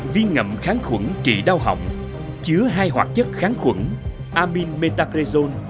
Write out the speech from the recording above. viên ngậm kháng khuẩn trị đau hỏng chứa hai hoạt chất kháng khuẩn aminmetagrezone